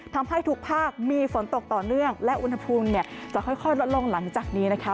ทำให้ทุกภาคมีฝนตกต่อเนื่องและอุณหภูมิเนี่ยจะค่อยลดลงหลังจากนี้นะคะ